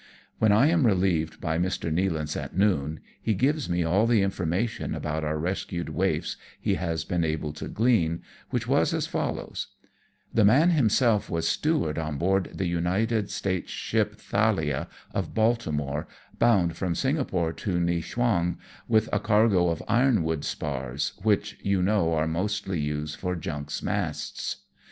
When I am relieved by Mr. Nealance at noouj he o ives me all the information about our rescued waifs he has been able to glean, which was as follows :— "The man himself was steward on board the United States ship Thalia of Baltimore, bound from Singapore to Niewchwang, with a cargo of iron wood spars, which you know are mostly used for junks' masts.